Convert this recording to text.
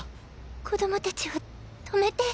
子供達を止めて。